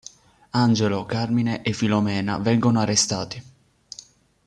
Angelo, Carmine e Filomena vengono arrestati.